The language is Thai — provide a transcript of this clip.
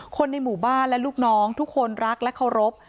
คนในหมู่บ้านและลูกน้องทุกคนรักและเคารพ